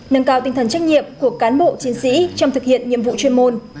nâng cao tinh thần trách nhiệm của cán bộ chiến sĩ trong thực hiện nhiệm vụ chuyên môn